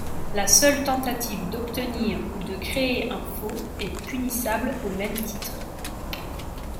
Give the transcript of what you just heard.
La seule tentative d'obtenir ou de créer un faux est punissable au même titre.